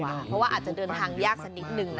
เพราะว่าอาจจะเดินทางยากสักนิดนึง